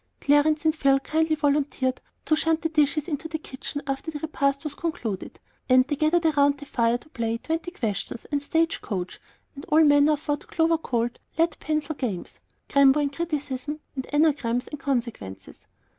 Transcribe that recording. Clarence and Phil kindly volunteered to "shunt the dishes" into the kitchen after the repast was concluded; and they gathered round the fire to play "twenty questions" and "stage coach," and all manner of what Clover called "lead pencil games," "crambo" and "criticism" and "anagrams" and "consequences."